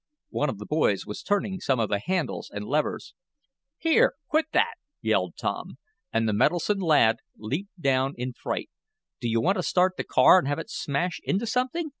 One of the boys was turning some of the handles and levers. "Here! Quit that!" yelled Tom, and the meddlesome lad leaped down in fright. "Do you want to start the car and have it smash into something?"